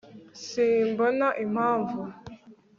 simbona impamvu